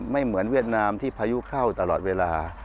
เหมือนเวียดนามที่พายุเข้าตลอดเวลา